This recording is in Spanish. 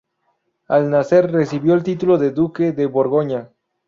Al nacer, recibió el título de duque de Borgoña.